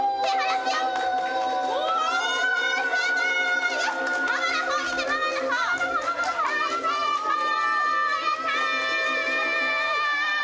すごーい！